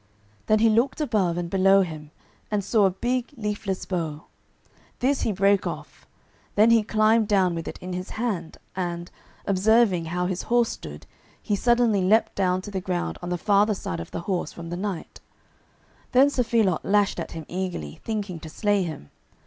Then he looked above and below him, and saw a big leafless bough. This he brake off; then he climbed down with it in his hand, and, observing how his horse stood, he suddenly leaped down to the ground on the farther side of the horse from the knight. Then Sir Phelot lashed at him eagerly, thinking to slay him.